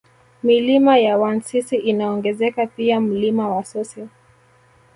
Milima ya Wansisi inaongezeka pia Mlima Wasosi